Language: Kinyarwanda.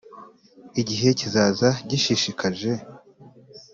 igihe kizaza gishishikaje